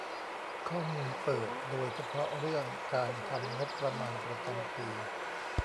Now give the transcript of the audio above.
ข้อมูลเปิดโดยเฉพาะเรื่องการทำงบประมาณประจำปี